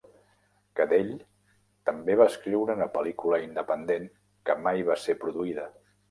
Cadell també va escriure una pel·lícula independent, que mai va ser produïda.